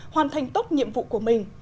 hoàn thành tốt nhiệm vụ của mình